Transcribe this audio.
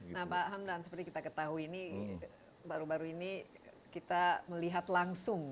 nah pak hamdan seperti kita ketahui ini baru baru ini kita melihat langsung